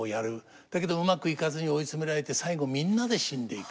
だけどうまくいかずに追い詰められて最後みんなで死んでいく。